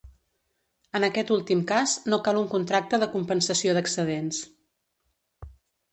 En aquest últim cas, no cal un contracte de compensació d'excedents.